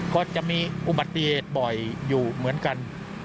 ก็จะมีอุบัติเหตุบ่อยอยู่เหมือนกัน